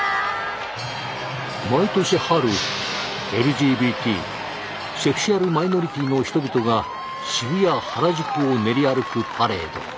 毎年春ＬＧＢＴセクシュアルマイノリティの人々が渋谷・原宿を練り歩くパレード。